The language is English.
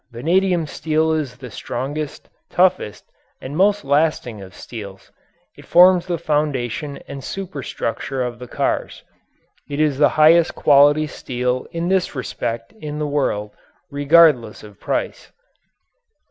Vanadium steel is the strongest, toughest, and most lasting of steels. It forms the foundation and super structure of the cars. It is the highest quality steel in this respect in the world, regardless of price.